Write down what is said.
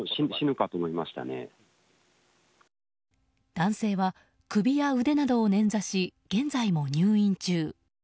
男性は首や腕などをねんざし現在も入院中。